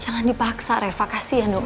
jangan dipaksa revakasi ya dong